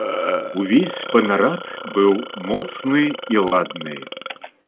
Увесь панарад быў моцны і ладны.